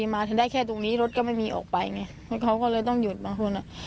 มาได้แค่ตรงนี้รถก็ไม่มีออกไปไงเขาก็เลยต้องหยุดบางคนอ่ะ